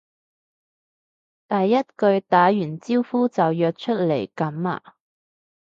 第一句打完招呼就約出嚟噉呀？